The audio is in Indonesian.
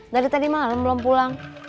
dari tadi malam belum pulang